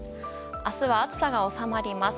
明日は暑さが収まります。